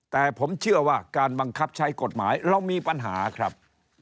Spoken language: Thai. แต่ผมเชื่อว่าการบังคับใช้กฎหมายเรามีปัญหาครับ